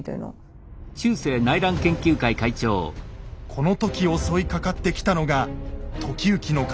この時襲いかかってきたのが時行の敵